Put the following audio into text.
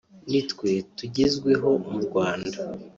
nit we tugezweho mu Rwanda